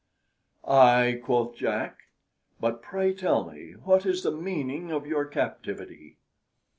"Ay," quoth Jack, "but pray tell me what is the meaning of your captivity?"